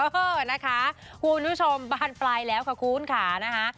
เออนะคะคุณผู้ชมบานปลายแล้วค่ะคุณค่ะนะคะ